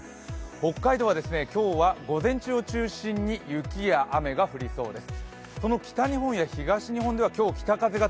北海道は今日は午前中を中心に雪や雨が降りそうです。